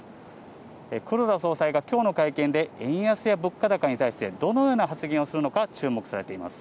黒田総裁が今日の会見で円安や物価高に対してどのような発言をするのか注目されています。